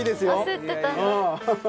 焦ってたんだ。